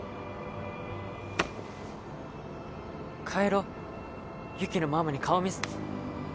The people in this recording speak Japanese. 帰ろうユキのママに顔見せ。